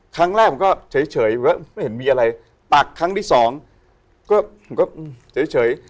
ครั้งแรกผมก็เฉยไม่เห็นมีอะไรตักครั้งที่สองก็ผมก็เฉย